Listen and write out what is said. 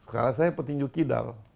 karena saya petinju kidal